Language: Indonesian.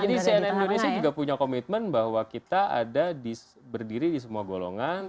jadi cnn indonesia juga punya komitmen bahwa kita ada berdiri di semua golongan